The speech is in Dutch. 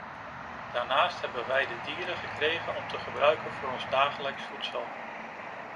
Daarnaast hebben wij de dieren gekregen om te gebruiken voor ons dagelijks voedsel.